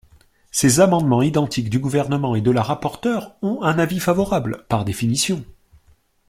Ces amendements identiques du Gouvernement et de la rapporteure ont un avis favorable, par définition.